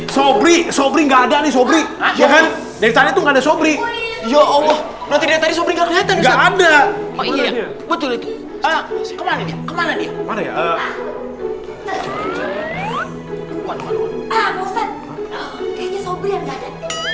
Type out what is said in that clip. sobri sobri gak ada nih sobri ya kan dari tadi tuh gak ada sobri ya allah